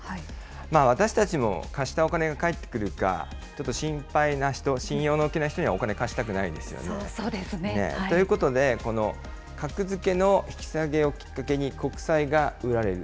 私たちも貸したお金が返ってくるか、ちょっと心配な人、信用のおけない人にはお金貸したくないですよね。ということで、格付けの引き下げをきっかけに国債が売られる。